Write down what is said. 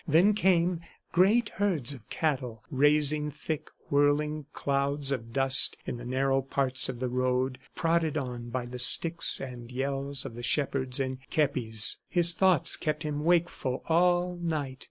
Then came great herds of cattle raising thick, whirling clouds of dust in the narrow parts of the road, prodded on by the sticks and yells of the shepherds in kepis. His thoughts kept him wakeful all night.